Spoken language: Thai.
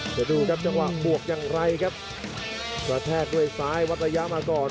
เดี๋ยวดูครับจังหวะบวกอย่างไรครับกระแทกด้วยซ้ายวัดระยะมาก่อน